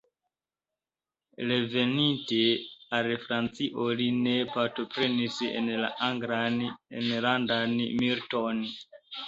Reveninte al Francio li ne partoprenis en la Anglan enlandan militon.